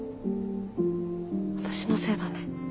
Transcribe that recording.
私のせいだね。